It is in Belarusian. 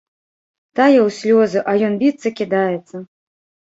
Тая ў слёзы, а ён біцца кідаецца.